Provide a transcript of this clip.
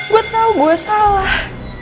gua tahu gua salah